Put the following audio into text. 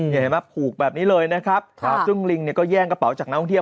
เห็นไหมผูกแบบนี้เลยนะครับซึ่งลิงเนี่ยก็แย่งกระเป๋าจากนักท่องเที่ยว